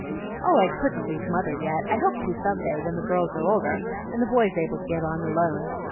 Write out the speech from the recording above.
"Oh, I couldn't leave mother yet; I hope to some day, when the girls are older, and the boys able to get on alone.